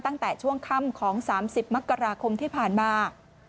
ตั้งแต่ช่วงค่ำของ๓๐มกราคมที่ผ่านมา